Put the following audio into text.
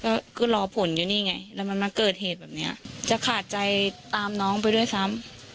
ก็คือรอผลอยู่นี่ไงแล้วมันมาเกิดเหตุแบบเนี้ยจะขาดใจตามน้องไปด้วยซ้ำ